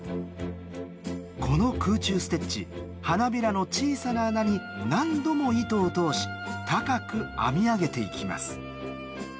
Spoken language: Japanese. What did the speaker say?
この空中ステッチ花びらの小さな穴に何度も糸を通し高く編み上げていきます。